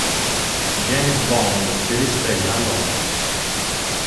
James Bond si risveglia a Londra.